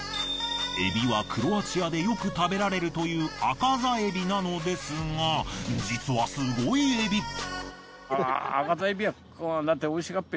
海老はクロアチアでよく食べられるというアカザエビなのですが実はすごい海老。